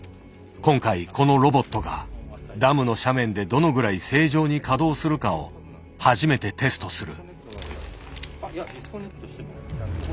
今回このロボットがダムの斜面でどのぐらい正常に稼働するかを初めてテストする。